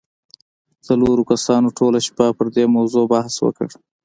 څلورو کسانو ټوله شپه پر دې موضوع بحث وکړ